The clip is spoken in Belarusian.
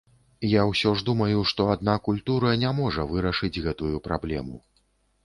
Я ўсё ж думаю, што адна культура не можа вырашыць гэтую праблему.